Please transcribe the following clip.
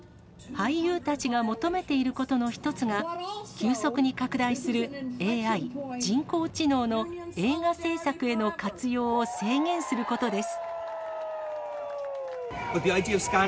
俳優たちが求めていることの一つが、急速に拡大するＡＩ・人工知能の映画製作への活用を制限することです。